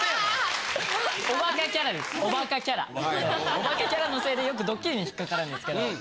おバカキャラのせいでよくドッキリにひっかるんですけど。